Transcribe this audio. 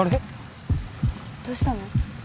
どうしたの？